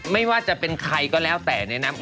ไม่ว่าจะเป็นใครก็แล้วแต่เนี่ยนะ